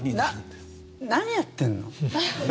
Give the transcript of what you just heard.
何やってんの？